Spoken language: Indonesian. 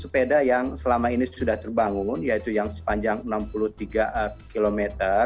sepeda yang selama ini sudah terbangun yaitu yang sepanjang enam puluh tiga km